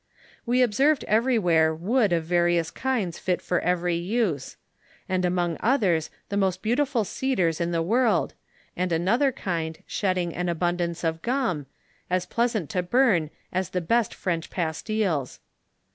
We observed everywhere wood of various kinds fit for every use ; and among others the most beautiful cedars in the world, and anot* r kind shedding an abundance of gum, as pleasant to burn as the best French pastilles.